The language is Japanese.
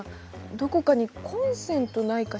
どこかにコンセントないかしら？